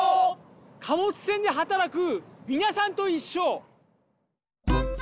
貨物船ではたらくみなさんといっしょ！